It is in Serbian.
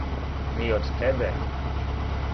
Ни од тебе.